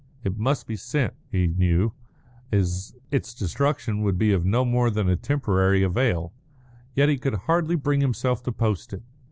It must be sent, he knew; its destruction would be of no more than a temporary avail. Yet he could hardly bring himself to post it.